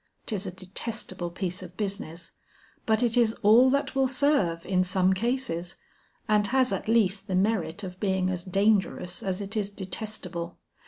'Tis a detestable piece of business, but it is all that will serve in some cases, and has at least the merit of being as dangerous as it is detestable.